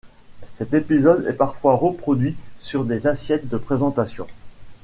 Cet épisode est parfois reproduit sur des assiettes de présentation.